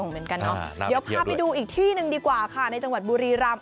เดี๋ยวพาไปดูอีกที่หนึ่งดีกว่าค่ะในจังหวัดบุรีรำ